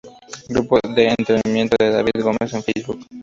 Grupo de entrenamiento de David Gómez en Facebook